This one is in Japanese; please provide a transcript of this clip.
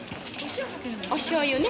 おしょうゆね。